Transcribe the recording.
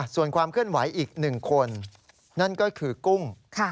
ส่วนความเคลื่อนไหวอีก๑คนนั่นก็คือกุ้ง